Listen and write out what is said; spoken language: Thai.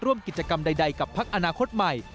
ร่วมกิจกรรมใดกับพักอนาคตใหม่